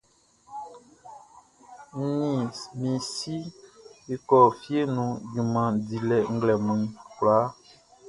N ni mi si e kɔ fie nun junman dilɛ nglɛmun kwlaa.